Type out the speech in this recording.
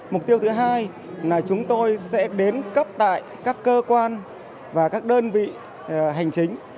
mục tiêu thứ hai là chúng tôi sẽ đến cấp tại các cơ quan và các đơn vị hành chính